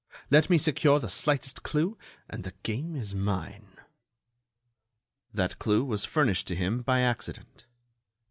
Let me secure the slightest clue and the game is mine!" That clue was furnished to him by accident.